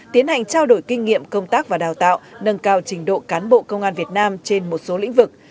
tiến hành trao đổi kinh nghiệm công tác và đào tạo nâng cao trình độ cán bộ công an việt nam trên một số lĩnh vực